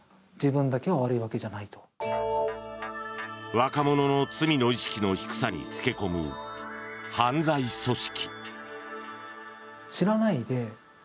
若者の罪の意識の低さにつけ込む犯罪組織。